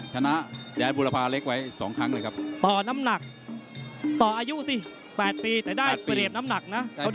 กระดูกมวยก็เขาได้เปรียบนะครับ